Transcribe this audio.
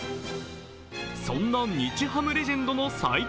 そんな日ハムレジェンドの最強